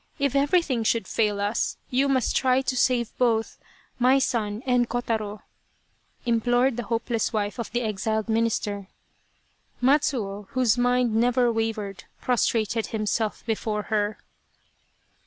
If everything should fail us, you must try to save both, my son and Kotaro," implored the hopeless wife of the exiled minister. Matsuo, whose mind never wavered, prostrated him self before her.